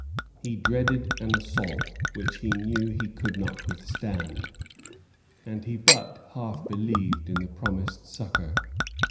He dreaded an assault, which he knew he could not withstand, and he but half believed in the promised succor.